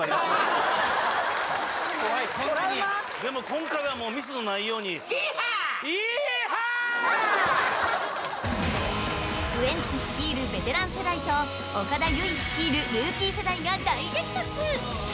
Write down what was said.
でも今回はミスのないようにウエンツ率いるベテラン世代と岡田結実率いるルーキー世代が大激突！